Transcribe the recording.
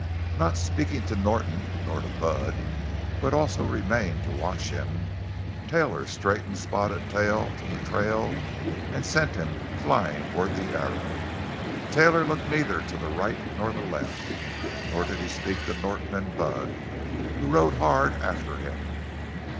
Not speaking to Norton, nor to Bud—who had also remained to watch him—Taylor straightened Spotted Tail to the trail and sent him flying toward the Arrow. Taylor looked neither to the right nor left, nor did he speak to Norton and Bud, who rode hard after him.